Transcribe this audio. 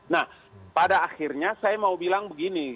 nah pada akhirnya saya mau bilang begini